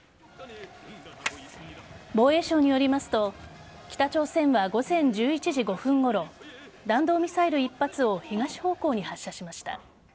防衛省によりますと北朝鮮は午前１１時５分ごろ弾道ミサイル１発を東方向に発射しました。